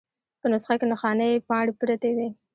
په نسخه کې نښانۍ پاڼې پرتې وې.